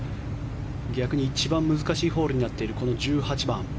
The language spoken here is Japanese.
逆に一番難しいホールになっているこの１８番。